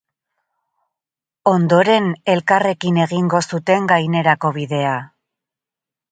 Ondoren elkarrekin egingo zuten gainerako bidea.